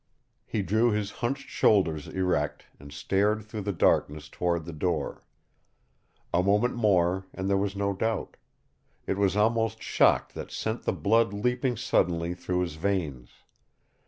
He drew his hunched shoulders erect and stared through the darkness toward the door. A moment more and there was no doubt. It was almost shock that sent the blood leaping suddenly through his veins.